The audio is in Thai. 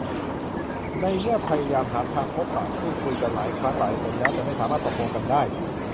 ในเมื่อพยายามหาทางพบปะพูดคุยกันหลายครั้งหลายหนแล้ว แต่ไม่สามารถตกลงกันได้